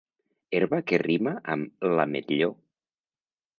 Herba que rima amb l'ametlló.